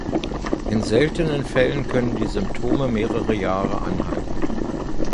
In seltenen Fällen können die Symptome mehrere Jahre anhalten.